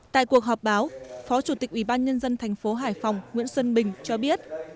tại cuộc họp báo phó chủ tịch ủy ban nhân dân thành phố hải phòng nguyễn xuân bình cho biết